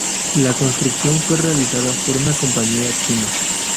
La construcción fue realizada por una compañía china.